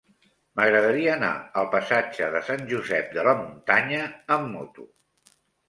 M'agradaria anar al passatge de Sant Josep de la Muntanya amb moto.